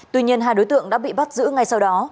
tuy nhiên hai đối tượng đã bị bắt giữ ngay sau đó